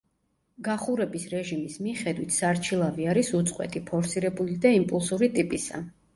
გახურების რეჟიმის მიხედვით სარჩილავი არის უწყვეტი, ფორსირებული და იმპულსური ტიპისა.